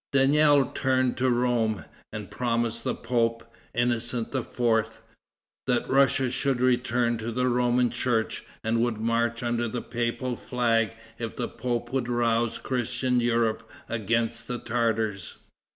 Daniel turned to Rome, and promised the pope, Innocent IV., that Russia should return to the Roman church, and would march under the papal flag if the pope would rouse Christian Europe against the Tartars.